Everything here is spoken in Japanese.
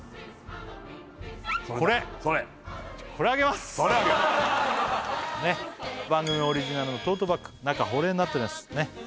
それそれあげる番組オリジナルのトートバッグ中保冷になっております